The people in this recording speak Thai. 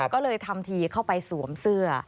ก็เลยทำทีเข้าไปสวมเสื้อ